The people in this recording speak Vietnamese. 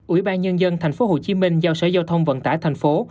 ủy ban nhân dân thành phố hồ chí minh giao sở giao thông vận tải thành phố